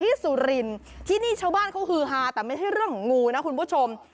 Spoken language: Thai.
สุรินที่นี่ชาวบ้านเขาฮือฮาแต่ไม่ใช่เรื่องของงูนะคุณผู้ชม